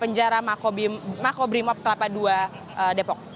penjara makobrimob kelapa ii depok